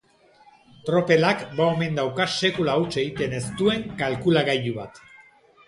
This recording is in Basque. Tropelak ba omen dauka sekula huts egiten ez duen kalkulagailu bat.